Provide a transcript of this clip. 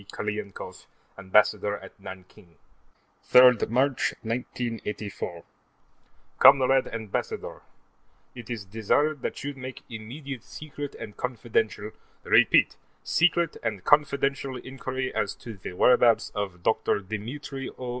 Krylenkoff, Ambassador at Nanking:_ 3 March, 1984 Comrade Ambassador: It is desired that you make immediate secret and confidential repeat secret and confidential inquiry as to the whereabouts of Dr. Dimitri O.